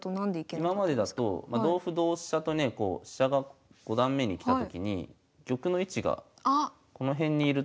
今までだと同歩同飛車とね飛車が五段目に来たときに玉の位置がこの辺にいると。